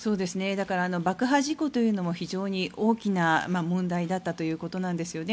だから爆破事故というのも非常に大きな問題だったということなんですよね。